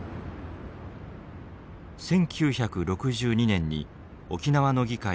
１９６２年に沖縄の議会